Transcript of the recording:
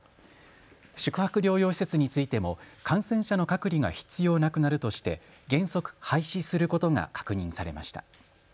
宿泊療養施設についても感染者の隔離が必要なくなるとして原則、廃止することが確認されました。